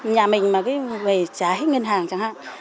nhà mình mà cứ về trả hết ngân hàng chẳng hạn